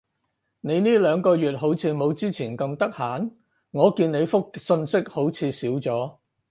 你呢兩個月好似冇之前咁得閒？我見你覆訊息好似少咗